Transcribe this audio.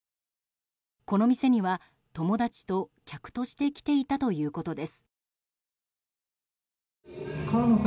この店には友達と、客として来ていたということです。